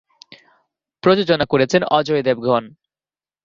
প্রযোজনা করেছেন অজয় দেবগন।